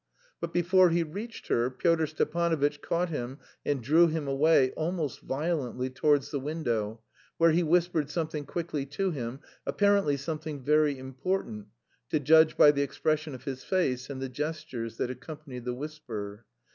But before he reached her, Pyotr Stepanovitch caught him and drew him away, almost violently, towards the window, where he whispered something quickly to him, apparently something very important to judge by the expression of his face and the gestures that accompanied the whisper.